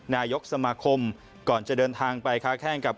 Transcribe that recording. นายกสมาคมก่อนจะเดินทางไปค้าแข้งกับ